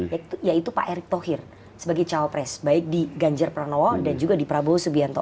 yaitu pak erick thohir sebagai cawapres baik di ganjar pranowo dan juga di prabowo subianto